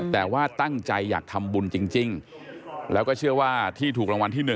แต่ว่าตั้งใจอยากทำบุญจริงแล้วก็เชื่อว่าที่ถูกรางวัลที่๑